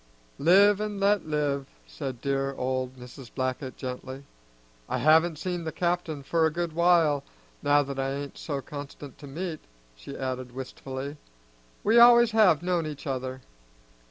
"Live and let live," said dear old Mrs. Blackett gently. "I haven't seen the captain for a good while, now that I ain't so constant to meetin'," she added wistfully. "We always have known each other."